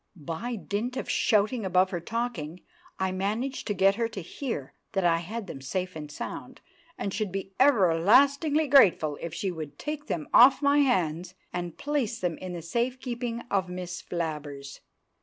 By dint of shouting above her talking I managed to get her to hear that I had them safe and sound; and should be everlastingly grateful if she would take them off my hands and place them in the safe keeping of Miss Flabbers.